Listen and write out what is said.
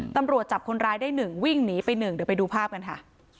ตำรวจจับคนร้ายได้๑วิ่งหนีไปหนึ่งเดี๋ยวไปดูภาพกันค่ะ